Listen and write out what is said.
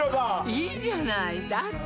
いいじゃないだって